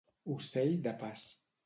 Ocell de pas.